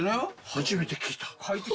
初めて聞いた。